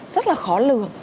rất là khó lường